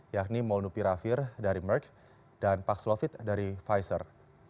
yakni molnupiravir dari merck dan paxlovid dari pfizer